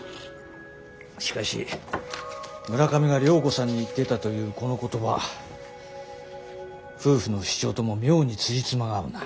しかし村上が涼子さんに言ってたというこの言葉夫婦の主張とも妙につじつまが合うな。